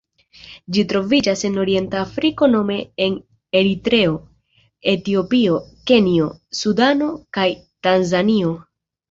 Ĝi troviĝas en Orienta Afriko nome en Eritreo, Etiopio, Kenjo, Sudano kaj Tanzanio.